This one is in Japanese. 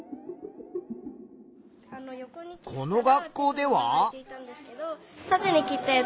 この学校では。